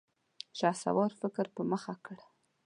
شهسوار فکر په مخه کړ.